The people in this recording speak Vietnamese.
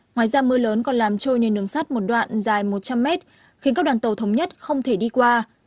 ngoài ra mưa lớn còn làm trôi nền đường sắt một đoạn dài một trăm linh mét khiến các đoàn tàu thống nhất không thể đi qua